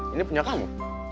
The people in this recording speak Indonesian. ini punya kamu